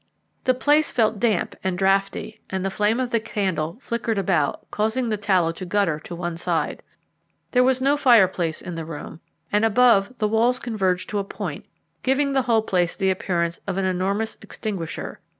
The place felt damp and draughty, and the flame of the candle flickered about, causing the tallow to gutter to one side. There was no fireplace in the room, and above, the walls converged to a point, giving the whole place the appearance of an enormous extinguisher.